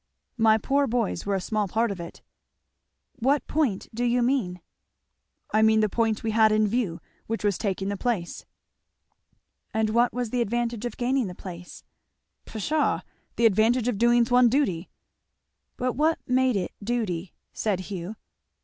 My poor boys were a small part of it." "What point do you mean?" "I mean the point we had in view, which was taking the place." "And what was the advantage of gaining the place." "Pshaw! The advantage of doing one's duty." "But what made it duty?" said Hugh.